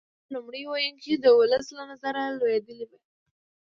د متل لومړی ویونکی د ولس له نظره لویدلی وي